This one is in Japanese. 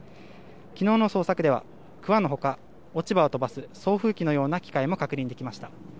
昨日の捜索ではくわのほか、落ち葉を飛ばす送風機のような機械も確認できました。